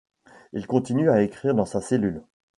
Il continue à écrire dans sa cellule.